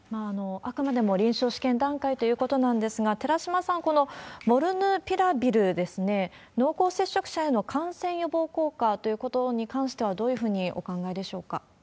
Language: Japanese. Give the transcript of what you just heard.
あくまでも臨床試験段階ということなんですが、寺嶋さん、このモルヌピラビルですね、濃厚接触者への感染予防効果ということに関しては、どういうふうにお考えでしょうか？